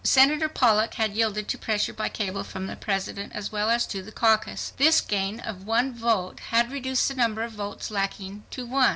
Senator Pollock had yielded to pressure by cable from the President as well as to the caucus. This gain of one vote had reduced the number of votes lacking to one.